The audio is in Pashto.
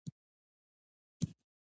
افغانستان زما پیژندګلوي ده